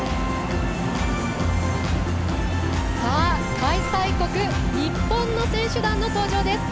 開催国、日本の選手団の登場です！